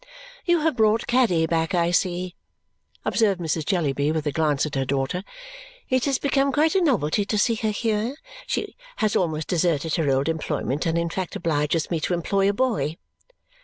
"You have brought Caddy back, I see," observed Mrs. Jellyby with a glance at her daughter. "It has become quite a novelty to see her here. She has almost deserted her old employment and in fact obliges me to employ a boy."